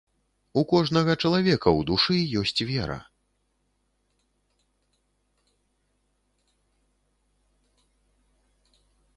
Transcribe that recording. У кожнага чалавека ў душы ёсць вера.